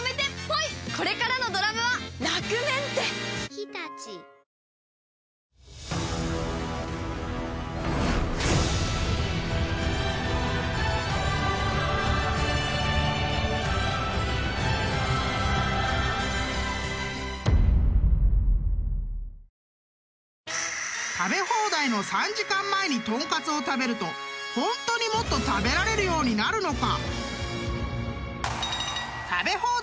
東京海上日動［食べ放題の３時間前に豚カツを食べるとホントにもっと食べられるようになるのか？］